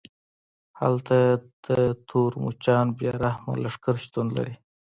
هلته د تورو مچانو بې رحمه لښکرې شتون لري